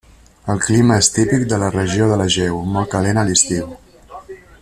El clima és típic de la regió de l'Egeu, molt calent a l'estiu.